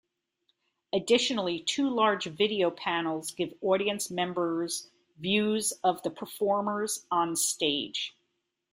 Additionally, two large video panels give audience members views of the performers on stage.